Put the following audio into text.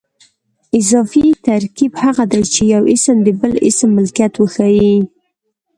اضافي ترکیب هغه دئ، چي یو اسم د بل اسم ملکیت وښیي.